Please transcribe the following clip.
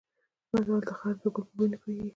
متل: خر د ګل په بوی نه پوهېږي.